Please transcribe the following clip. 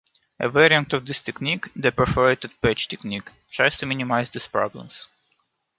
A variant of this technique, the "perforated patch" technique, tries to minimise these problems.